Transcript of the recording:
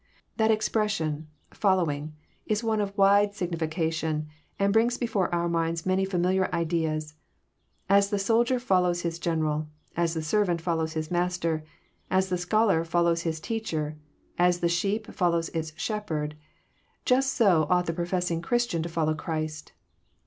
That expression, " following," is one of wide signifi cation, and brings before oar minds many familiar ideas As the soldier follows his general, as the servant follows his master, as the scholar follows bis teacher, as the sheep follows its shepherd, just so ought the professing Chris tian to follow Christ.